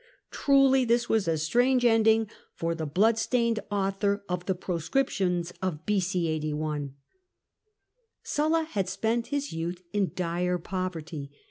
Truly this was a strange ending for the blood stained author of the proscriptions of B.c. 8r ! Sulla had spent his youth in dire poverty.